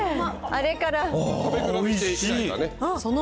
あれから。